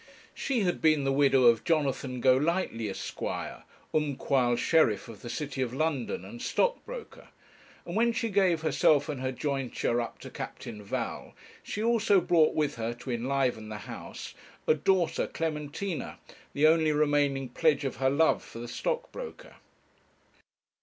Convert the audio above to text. She had been the widow of Jonathan Golightly, Esq., umquhile sheriff of the city of London, and stockbroker, and when she gave herself and her jointure up to Captain Val, she also brought with her, to enliven the house, a daughter Clementina, the only remaining pledge of her love for the stockbroker.